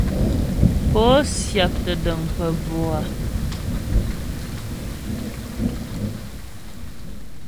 Pó syáptə́ dəŋ pə bvò a ?